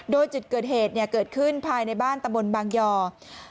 โดยจุดเกิดเหตุเกิดขึ้นภายในบ้านตะบนบางยอร์